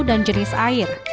dan jenis air